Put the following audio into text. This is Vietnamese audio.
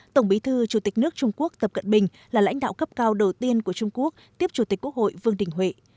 tổng bí thư chủ tịch nước trung quốc tập cận bình là lãnh đạo cấp cao đầu tiên của trung quốc tiếp chủ tịch quốc hội vương đình huệ